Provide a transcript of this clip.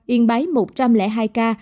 yên bái một trăm linh hai ca